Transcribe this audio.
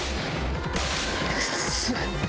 クソ！